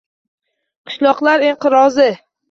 Qishloqlar inqirozi